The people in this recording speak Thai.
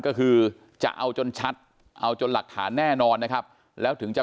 ก็คือจะเอาจนชัดเอาจนหลักฐานแน่นอนนะครับแล้วถึงจะ